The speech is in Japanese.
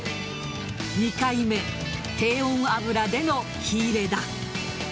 ２回目、低温油での火入れだ。